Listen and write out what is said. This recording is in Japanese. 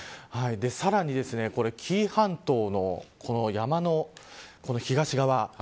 さらに、紀伊半島の山の東側。